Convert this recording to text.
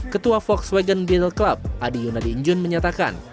ketua volkswagen beetle club adi yonadinjun menyatakan